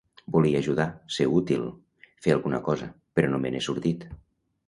Volia ajudar, ser útil, fer alguna cosa, però no me n’he sortit.